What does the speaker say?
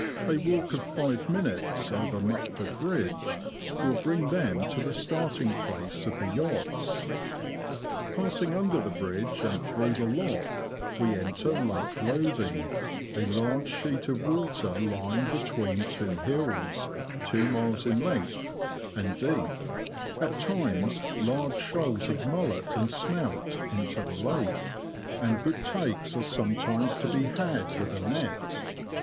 A walk of five minutes, over Mutford Bridge, will bring them to the starting place of the yachts. Passing under the Bridge and through the Lock, we enter Lake Lothing, a large sheet of water lying be tween two hills, two miles in length, and deep ; at times large shoals of mullet and smelt enter the lake, and good takes are sometimes to be had with a net. YARMOUTH TO LOWESTOFT.